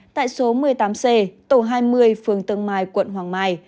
tại số một mươi tám c tổ hai mươi phường tương mai quận hoàng mai